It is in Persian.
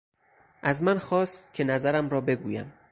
از من خواست که نظرم را بگویم.